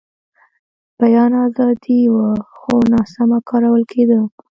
بیان ازادي وه، خو ناسمه کارول کېده.